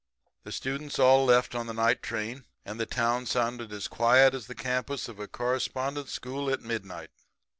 "The students all left on the night train; and the town sounded as quiet as the campus of a correspondence school at midnight.